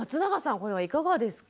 これはいかがですか？